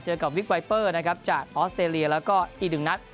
กับวิกไวเปอร์นะครับจากออสเตรเลียแล้วก็อีกหนึ่งนัด